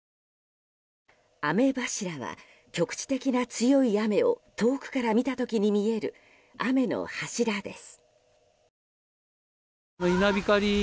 雨柱は局地的な強い雨を遠くから見た時に見える雨の柱です。